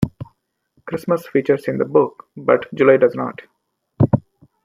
Christmas features in the book, but July does not.